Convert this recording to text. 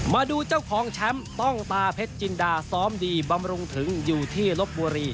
มาดูเจ้าของแชมป์ต้องตาเพชรจินดาซ้อมดีบำรุงถึงอยู่ที่ลบบุรี